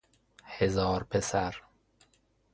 هزار پسر